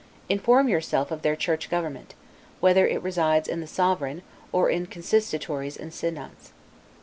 Inform yourself of their church government: whether it resides in the sovereign, or in consistories and synods.